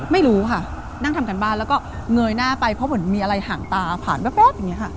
ไม่รู้ค่ะนั่งทำการบ้านแล้วก็เงยหน้าไปเพราะเหมือนมีอะไรห่างตาผ่านแป๊บอย่างนี้ค่ะ